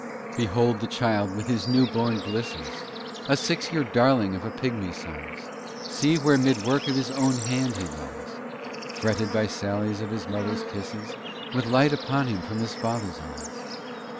Behold the Child among his new born blisses, A four year's Darling of a pigmy size! See, where mid work of his own hand he lies, Fretted by sallies of his Mother's kisses, With light upon him from his Father's eyes!